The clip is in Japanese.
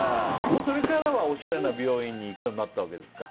それからはおしゃれな美容院に行くようになったわけですか。